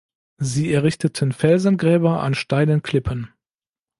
Sie errichteten Felsengräber an steilen Klippen.